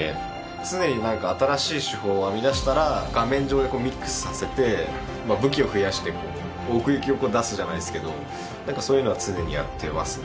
常になんか新しい手法を編み出したら画面上でこうミックスさせてまあ武器を増やしていこう奥行きを出すじゃないですけどなんかそういうのは常にやってますね